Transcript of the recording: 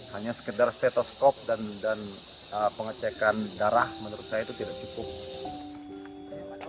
hanya sekedar stetoskop dan pengecekan darah menurut saya itu tidak cukup